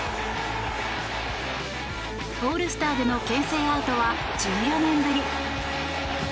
オールスターでの牽制アウトは１４年ぶり。